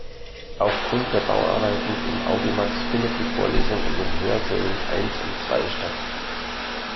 Aufgrund der Bauarbeiten im Audimax findet die Vorlesung in den Hörsälen eins und zwei statt.